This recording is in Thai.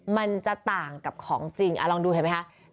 มันจะต่างกับของจริงลองดูเห็นไหมคะ